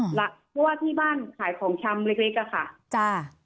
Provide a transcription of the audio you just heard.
เพราะว่าที่บ้านขายของชำเล็กอะค่ะ